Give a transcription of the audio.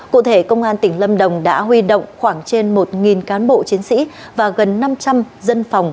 cụ thể công an tỉnh lâm đồng đã huy động khoảng trên một cán bộ chiến sĩ và gần năm trăm linh dân phòng